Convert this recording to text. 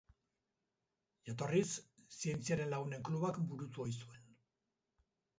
Jatorriz, Zientziaren Lagunen Klubak burutu ohi zuen.